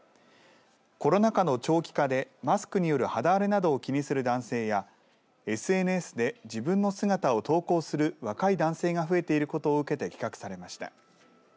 コロナ禍の長期化でマスクによる肌荒れなどを気にする男性やＳＮＳで自分の姿を投稿する若い男性が増えていることを受けて企画されました。